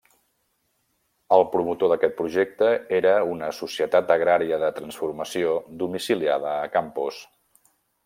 El promotor d'aquest projecte era una societat agrària de transformació domiciliada a Campos.